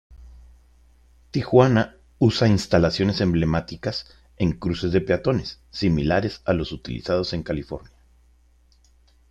Tijuana usa instalaciones emblemáticas, en cruces de peatones, similares a los utilizados en California.